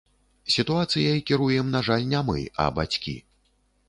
Сітуацыяй кіруем, на жаль, не мы, а бацькі.